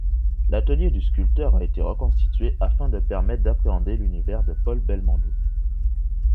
L'atelier du sculpteur a été reconstitué afin de permettre d'appréhender l'univers de Paul Belmondo.